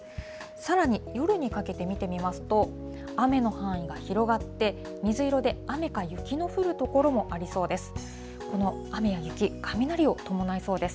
さらに夜にかけて見てみますと、雨の範囲が広がって、水色で雨か雪の降る所もありそうです。